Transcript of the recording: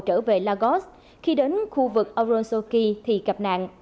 trở về lagos khi đến khu vực arosoki thì gặp nạn